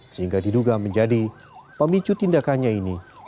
sehingga diduga menjadi pemicu tindakannya ini